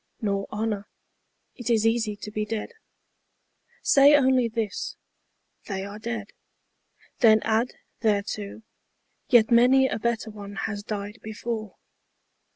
Nor honour. It is easy to be dead. Say only this, " They are dead." Then add thereto, " Yet many a better one has died before."